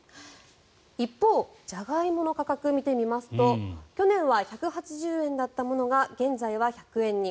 一方、ジャガイモの価格見てみますと去年は１８０円だったものが現在は１００円に。